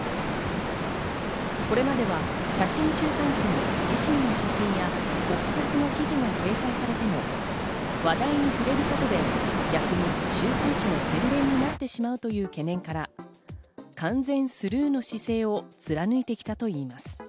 これまでは写真週刊誌に自身の写真や臆測の記事が掲載されても話題に触れることで逆に週刊誌の宣伝になってしまうという懸念から、完全スルーの姿勢を貫いてきたといいます。